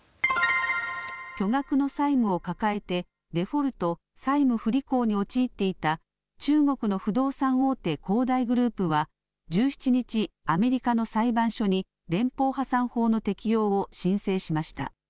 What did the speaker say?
巨額の債務を抱えてデフォルト・債務不履行に陥っていた中国の不動産大手、恒大グループは１７日、アメリカの裁判所に連邦破産法の適用を申請しました。